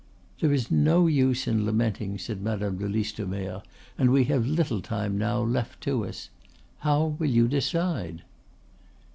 "There is no use in lamenting," said Madame de Listomere, "and we have little time now left to us. How will you decide?"